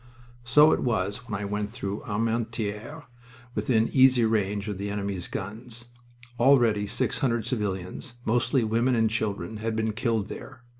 So it was when I went through Armentieres within easy range of the enemy's guns. Already six hundred civilians mostly women and children had been killed there.